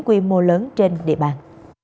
quy mô lớn trên địa bàn